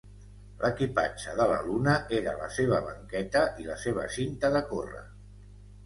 L'equipatge de la Luna era la seva banqueta i la seva cinta de córrer.